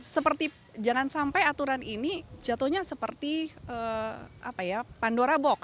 seperti jangan sampai aturan ini jatuhnya seperti pandora box